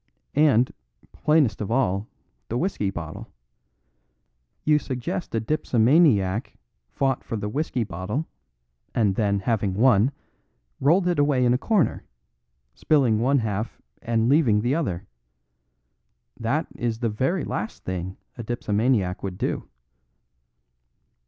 And, plainest of all, the whisky bottle. You suggest a dipsomaniac fought for the whisky bottle, and then having won, rolled it away in a corner, spilling one half and leaving the other. That is the very last thing a dipsomaniac would do."